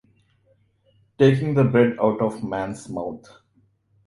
Taking the bread out of a man's mouth.